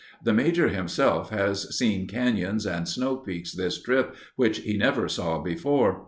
The Major himself has seen cañons and snow peaks this trip which he never saw before.